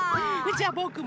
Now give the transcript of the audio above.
じゃあぼくも。